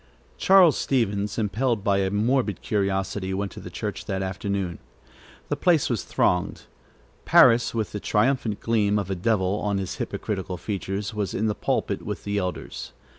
Charles Stevens, impelled by a morbid curiosity, went to the church that afternoon. The place was thronged. Parris, with the triumphant gleam of a devil on his hypocritical features, was in the pulpit with the elders.